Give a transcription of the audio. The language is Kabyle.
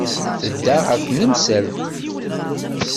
Tedda ɣer tnemselt.